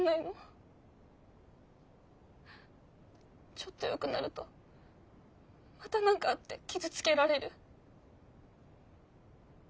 ちょっとよくなるとまた何かあって傷つけられる。